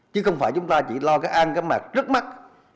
chứ không phải chúng ta chỉ lo cái ăn cái mặt trước mắt